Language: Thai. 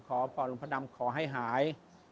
ขอพรหลวงพระดำขอให้หาย